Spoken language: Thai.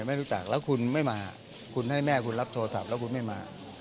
ไม่รู้จักแล้วคุณไม่มาคุณให้แม่คุณรับโทรศัพท์แล้วคุณไม่มา